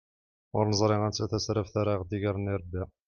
Ur neẓri anta tasraft ara aɣ-d-igren irebbi.